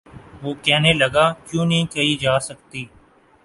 وہ کہنے لگا:کیوں نہیں کہی جا سکتی؟